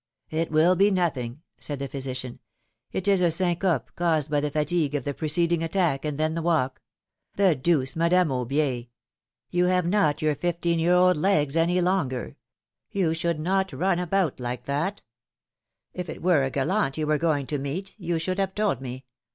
'^It will be nothing," said the physician. ^^It is a syncope, caused by the fatigue of the preceding attack, and then the walk ! The deuce ! Madame Aubier, you 156 philomI:ne's marriages. have not your fifteen year old legs any longer. You should not run about like that ! If it were a gallant you were going to meet, you should have told me.